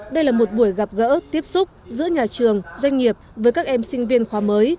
đây là một buổi gặp gỡ tiếp xúc giữa nhà trường doanh nghiệp với các em sinh viên khoa mới